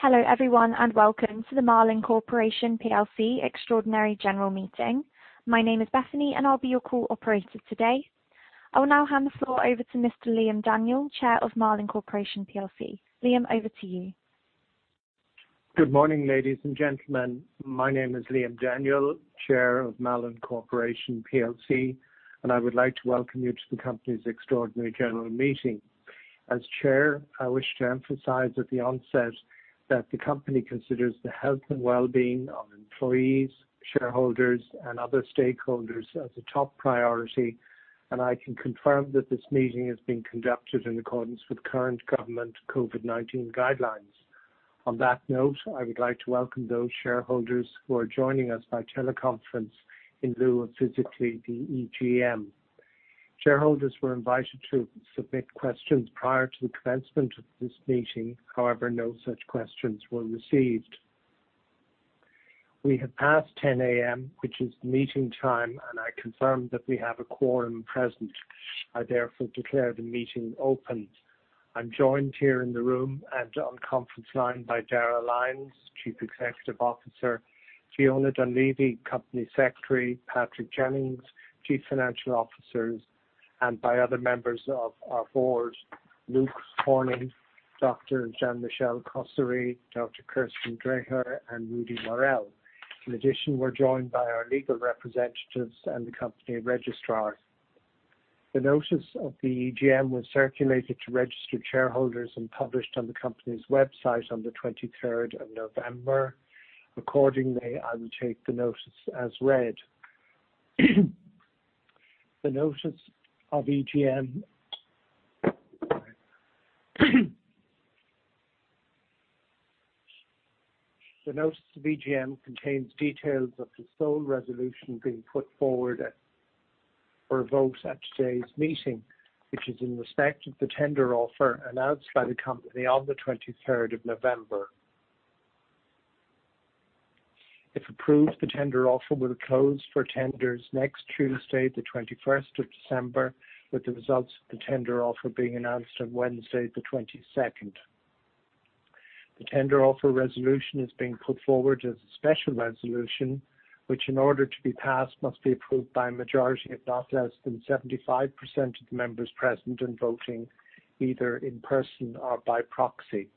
Hello everyone, and welcome to the Malin Corporation PLC extraordinary general meeting. My name is Bethany, and I'll be your call operator today. I will now hand the floor over to Mr. Liam Daniel, Chair of Malin Corporation PLC. Liam, over to you. Good morning, ladies and gentlemen. My name is Liam Daniel, Chair of Malin Corporation plc, and I would like to welcome you to the company's extraordinary general meeting. As chair, I wish to emphasize at the onset that the company considers the health and well-being of employees, shareholders, and other stakeholders as a top priority, and I can confirm that this meeting is being conducted in accordance with current government COVID-19 guidelines. On that note, I would like to welcome those shareholders who are joining us by teleconference in lieu of physically attending the EGM. Shareholders were invited to submit questions prior to the commencement of this meeting. However, no such questions were received. We have passed 10 A.M., which is the meeting time, and I confirm that we have a quorum present. I therefore declare the meeting open. I'm joined here in the room and on conference line by Darragh Lyons, Chief Executive Officer, Fiona Dunlevy, Company Secretary, Patrick Jennings, Chief Financial Officer, and by other members of our board, Luke Corning, Dr. Jean-Michel Cosséry, Dr. Kirsten Drejer, and Rudy Mareel. In addition, we're joined by our legal representatives and the company registrar. The notice of the EGM was circulated to registered shareholders and published on the company's website on the twenty-third of November. Accordingly, I will take the notice as read. The notice of EGM contains details of the sole resolution being put forward for a vote at today's meeting, which is in respect of the tender offer announced by the company on the 23rd of November. If approved, the tender offer will close for tenders next Tuesday, the 21st of December, with the results of the tender offer being announced on Wednesday, the 22nd. The tender offer resolution is being put forward as a special resolution, which in order to be passed, must be approved by a majority of not less than 75% of the members present and voting either in person or by proxy.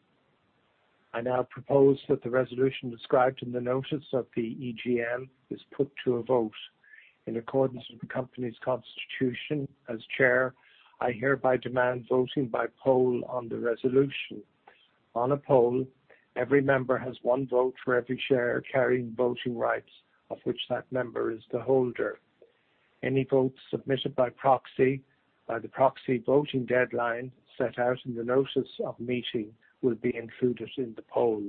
I now propose that the resolution described in the notice of the EGM is put to a vote. In accordance with the company's constitution as Chair, I hereby demand voting by poll on the resolution. On a poll, every member has one vote for every share carrying voting rights of which that member is the holder. Any votes submitted by proxy, by the proxy voting deadline set out in the notice of meeting, will be included in the poll.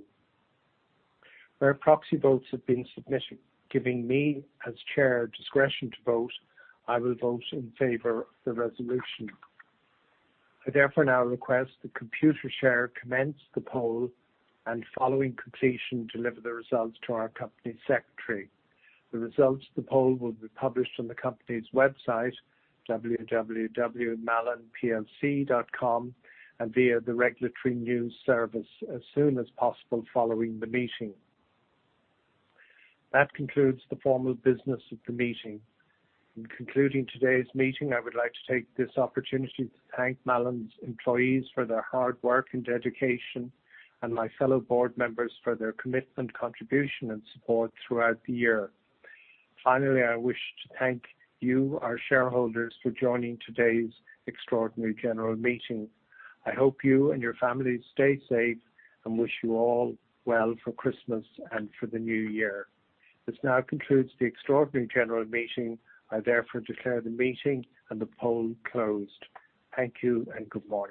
Where proxy votes have been submitted, giving me as Chair discretion to vote, I will vote in favor of the resolution. I therefore now request that Computershare commence the poll and following completion, deliver the results to our Company Secretary. The results of the poll will be published on the company's website, www.malinplc.com, and via the regulatory news service as soon as possible following the meeting. That concludes the formal business of the meeting. In concluding today's meeting, I would like to take this opportunity to thank Malin's employees for their hard work and dedication and my fellow board members for their commitment, contribution, and support throughout the year. Finally, I wish to thank you, our shareholders, for joining today's extraordinary general meeting. I hope you and your families stay safe and wish you all well for Christmas and for the New Year. This now concludes the extraordinary general meeting. I therefore declare the meeting and the poll closed. Thank you and good morning.